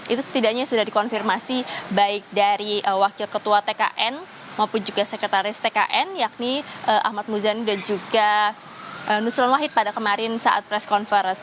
itu setidaknya sudah dikonfirmasi baik dari wakil ketua tkn maupun juga sekretaris tkn yakni ahmad muzani dan juga nusron wahid pada kemarin saat press conference